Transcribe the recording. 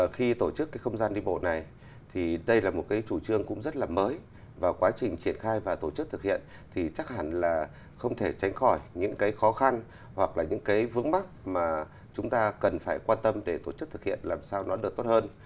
khi tổ chức cái không gian đi bộ này thì đây là một cái chủ trương cũng rất là mới và quá trình triển khai và tổ chức thực hiện thì chắc hẳn là không thể tránh khỏi những cái khó khăn hoặc là những cái vướng mắc mà chúng ta cần phải quan tâm để tổ chức thực hiện làm sao nó được tốt hơn